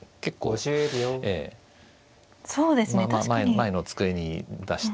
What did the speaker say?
前の机に出して。